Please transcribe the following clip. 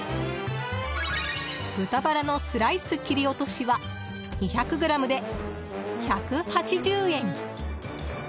豚バラのスライス切り落としは２００ｇで１８０円！